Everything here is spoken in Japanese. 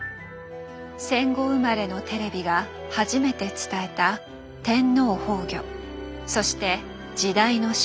戦後生まれのテレビが初めて伝えた「天皇崩御」そして「時代の終焉」。